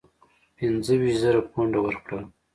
پنځه ویشت زره پونډه ورکړل.